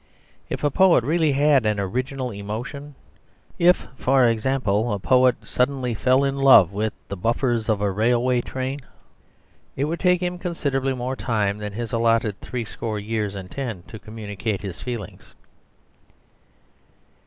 If a poet really had an original emotion; if, for example, a poet suddenly fell in love with the buffers of a railway train, it would take him considerably more time than his allotted three score years and ten to communicate his feelings.